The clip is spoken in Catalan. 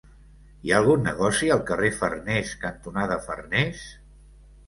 Hi ha algun negoci al carrer Farnés cantonada Farnés?